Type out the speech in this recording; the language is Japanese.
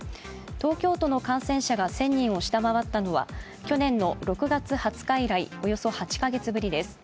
東京都の感染者数が１０００人を下回ったのは去年の６月２０日以来およそ８か月ぶりです。